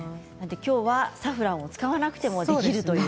きょうは、サフランを使わなくてもできるという。